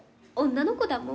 女の子だもん。